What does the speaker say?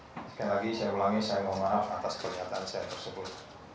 sekali lagi saya ulangi saya mohon maaf atas pernyataan saya tersebut